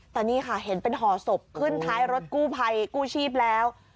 แต่นี่ค่ะเห็นเป็นห่อศพขึ้นท้ายรถกู้ภัยกู้ชีพแล้ว